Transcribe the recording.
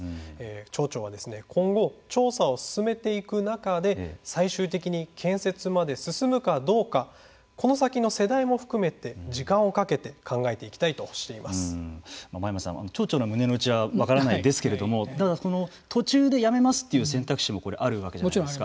町長は今後、調査を進めていく中で最終的に建設まで進むかどうかこの先の世代も含めて時間をかけて真山さん、町長の胸の内は分からないですけれどもただ、途中でやめますという選択肢もあるわけじゃないですか。